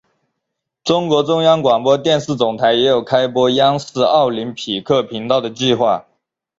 中国中央广播电视总台也有开播央视奥林匹克频道的计划。